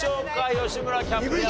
吉村キャプテン